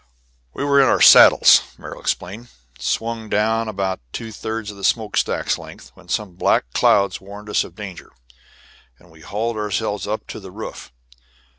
"We were in our saddles," Merrill explained, "swung down about two thirds of the smoke stack's length, when some black clouds warned us of danger, and we hauled ourselves up to the roof.